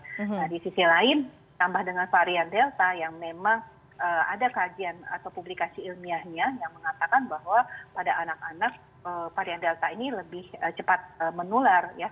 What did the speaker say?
nah di sisi lain tambah dengan varian delta yang memang ada kajian atau publikasi ilmiahnya yang mengatakan bahwa pada anak anak varian delta ini lebih cepat menular